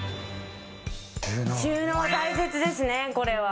収納大切ですね、これは。